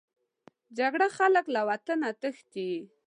جګړه خلک له وطنه تښتي